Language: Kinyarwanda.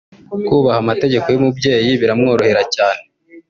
kubaha amategeko y’umubyeyi biramworohera cyane